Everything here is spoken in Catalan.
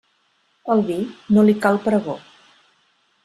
Al vi no li cal pregó.